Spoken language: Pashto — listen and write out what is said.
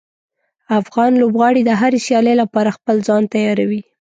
افغان لوبغاړي د هرې سیالۍ لپاره خپل ځان تیاروي.